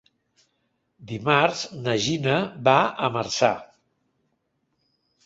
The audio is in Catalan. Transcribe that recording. Dimarts na Gina va a Marçà.